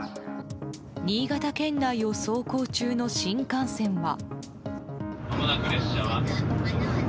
新潟県内を走行中の新幹線は。